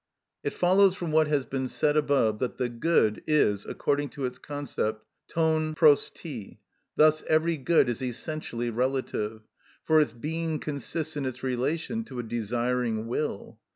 It follows from what has been said above, that the good is, according to its concept, των πρως τι; thus every good is essentially relative, for its being consists in its relation to a desiring will.